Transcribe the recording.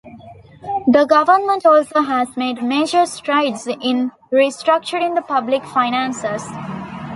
The government also has made major strides in restructuring the public finances.